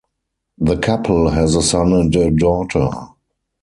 The couple has a son and a daughter.